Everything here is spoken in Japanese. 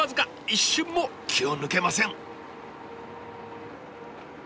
一瞬も気を抜けません。